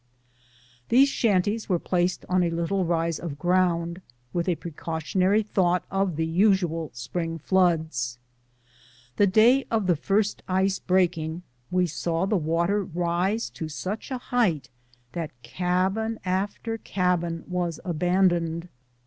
These shanties were placed on a little rise of ground, with a precautionary thought of the usual spring floods. The day of the first ice breaking we saw the water rise to such a height that cabin after cabin w^as abandoned.